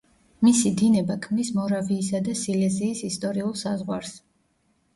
მისი დინება ქმნის მორავიისა და სილეზიის ისტორიულ საზღვარს.